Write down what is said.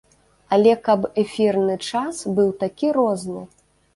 Але каб эфірны час быў такі розны!